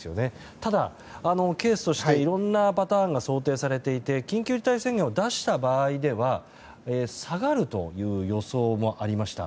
ただ、ケースとしていろんなパターンが予想されていて緊急事態宣言を出した場合では下がるという予想もありました。